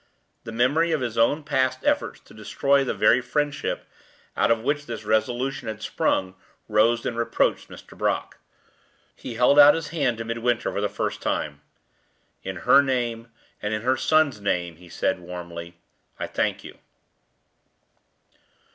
The memory of his own past efforts to destroy the very friendship out of which this resolution had sprung rose and reproached Mr. Brock. He held out his hand to Midwinter for the first time. "In her name, and in her son's name," he said, warmly, "I thank you."